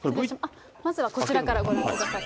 まずはこちらからご覧ください。